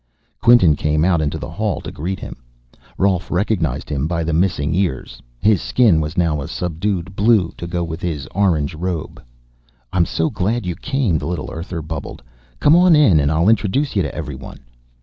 Quinton came out into the hall to greet him. Rolf recognized him by the missing ears; his skin was now a subdued blue to go with his orange robe. "I'm so glad you came," the little Earther bubbled. "Come on in and I'll introduce you to everyone."